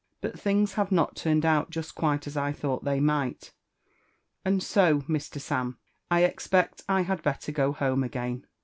But fMogs havs not turned out just quite as I thought they might* and to, Mr. tan* I expect I had better go home again.